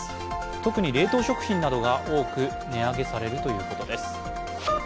特に冷凍食品などが多く値上げされるということです。